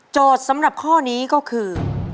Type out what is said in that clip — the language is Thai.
สำหรับข้อนี้ก็คือ